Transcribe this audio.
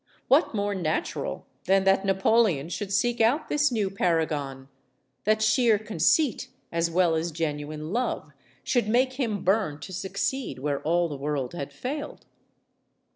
What more natural than that Napoleon should seek out this new paragon; that sheer conceit as well as genuine love should make him burn to succeed where all the world had failed?